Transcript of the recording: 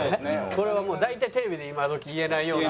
これはもう大体テレビで今どき言えないような。